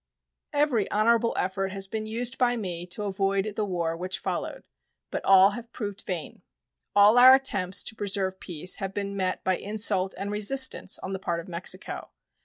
Every honorable effort has been used by me to avoid the war which followed, but all have proved vain. All our attempts to preserve peace have been met by insult and resistance on the part of Mexico.